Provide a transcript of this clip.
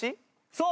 そう。